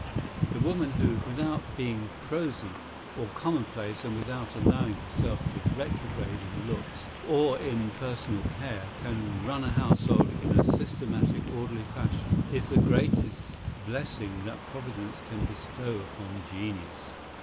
The woman who, without being prosy or commonplace and without allowing herself to retrograde in looks or in personal care, can run a household in a systematic, orderly fashion is the greatest blessing that Providence can bestow upon genius.